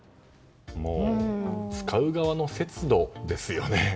使う側の節度ですよね。